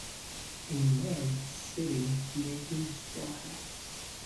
A man sitting making straw hats.